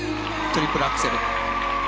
トリプルアクセル。